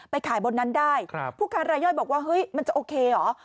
ขายบนนั้นได้ผู้ค้ารายย่อยบอกว่าเฮ้ยมันจะโอเคเหรอ